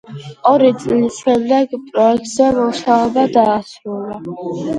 ორი წლის შემდეგ პროექტზე მუშაობა დაასრულა.